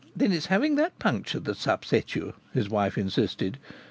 "Then it's having that puncture that has upset you," his wife insisted.